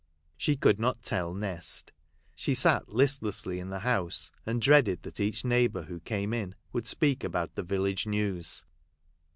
She could not tell Nest. She sat listlessly in the house, and dreaded that each neighbour who came in would speak about the village news.